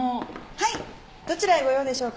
はいどちらへご用でしょうか？